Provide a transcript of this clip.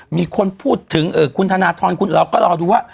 มีคนพูดถึงคุณธนทรคุณเราก็รอดูว่า